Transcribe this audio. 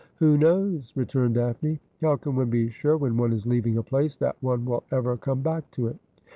' Who knows ?' returned Daphne. ' How can one be sure when one is leaving a place that one will ever come back to it